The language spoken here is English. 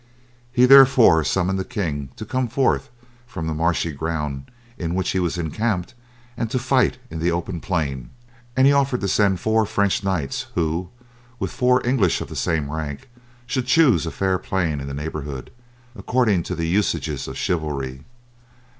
He therefore summoned the king to come forth from the marshy ground in which he was encamped and to fight in the open plain; and he offered to send four French knights, who, with four English of the same rank, should choose a fair plain in the neighbourhood, according to the usages of chivalry.